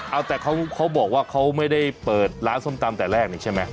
เอาแต่เขาบอกว่าเขาไม่ได้เปิดร้านส้มตำแต่แรกนี่ใช่ไหม